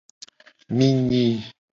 Mi nyi.